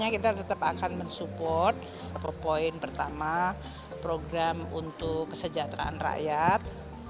kita tetap akan mensupport poin pertama program untuk kesejahteraan rakyat